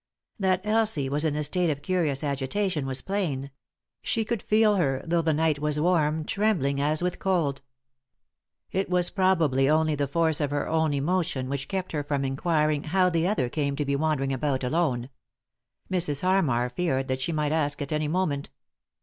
That Elsie was in a state of curious agitation was plain ; she could feel her, though the night was warm, trembling as with cold. It was probably only the force of her own emotion which kept her from inquiring how the other came to be wandering about alone. Mrs. Harmar feared that she might ask at any moment.